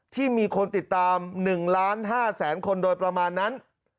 ที่มีคนติดตาม๑๕๐๐๐๐๐คนโดยประมาณนั้น